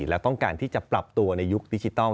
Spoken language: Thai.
และต้องการที่จะปรับตัวในยุคดิจิทัล